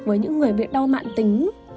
với những người bị đau mạn tính